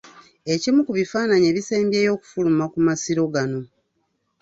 Ekimu ku bifaananyi ebisembyeyo okufuluma ku Masiro gano